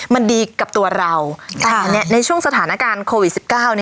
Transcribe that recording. มันดีกับตัวเราแต่อันเนี้ยในช่วงสถานการณ์โควิดสิบเก้าเนี้ย